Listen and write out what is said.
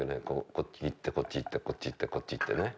こっち行ってこっち行ってこっち行ってこっち行ってね。